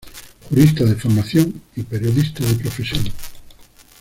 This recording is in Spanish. Jurista de formación y periodista de profesión.